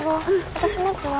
私持つわ。